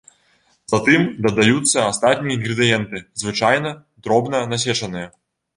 Затым дадаюцца астатнія інгрэдыенты, звычайна дробна насечаныя.